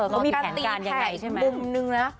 ก็มีแผนการยังไงใช่ไหม